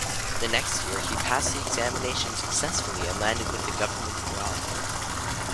The next year he passed the examination successfully and landed with a Government job.